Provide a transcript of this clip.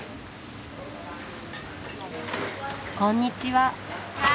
こんにちは。